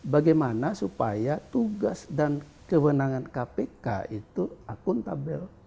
bagaimana supaya tugas dan kewenangan kpk itu akuntabel